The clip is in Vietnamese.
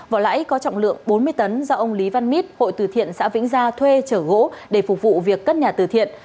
vỏ lãi có trọng lượng bốn mươi tấn do ông lý văn mít hội từ thiện xã vĩnh gia thuê chở gỗ để phục vụ việc cất nhà từ thiện